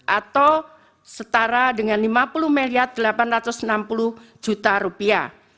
atau setara dengan lima puluh delapan ratus enam puluh juta rupiah